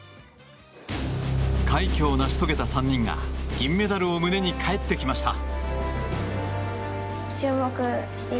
快挙を成し遂げた３人が銀メダルを胸に帰ってきました。